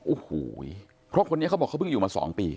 โอ้โหเพราะคนนี้เขาบอกเขาเพิ่งอยู่มา๒ปี